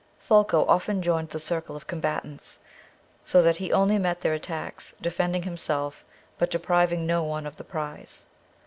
Folko often joined the circle of combatants; so that he only met their attacks, defending himself, but depriving no one of the prize.